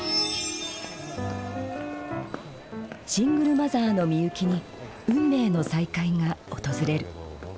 シングルマザーのミユキに運命の再会が訪れる。